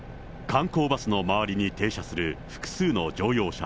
観光バスの周りに停車する複数の乗用車。